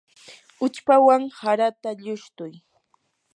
uchpawan harata llushtuy.